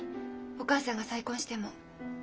お母さんが再婚しても。